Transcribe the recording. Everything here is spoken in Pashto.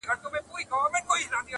• زموږ د پلار او دنیکه په مقبره کي,